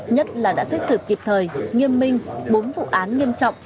nhất là đã xét xử kịp thời nghiêm minh bốn vụ án nghiêm trọng